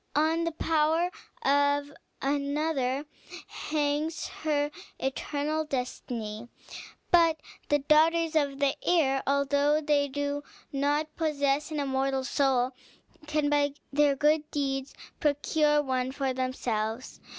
On the power of another hangs her eternal destiny. But the daughters of the air, although they do not possess an immortal soul, can, by their good deeds, procure one for themselves.